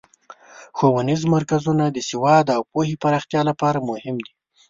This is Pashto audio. ښوونیز مرکزونه د سواد او پوهې پراختیا لپاره مهم دي.